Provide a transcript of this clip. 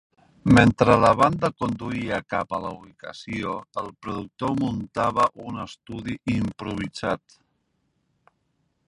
Mentre la banda conduïa cap a la ubicació, el productor muntava un estudi improvisat.